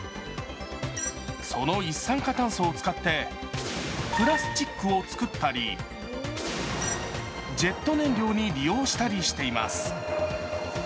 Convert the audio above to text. その一酸化炭素を使ってプラスチックを作ったりジェット燃料に利用したりしています。